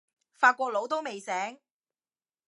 法國佬都未醒